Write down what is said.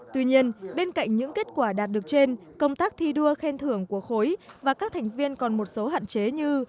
tuy nhiên bên cạnh những kết quả đạt được trên công tác thi đua khen thưởng của khối và các thành viên còn một số hạn chế như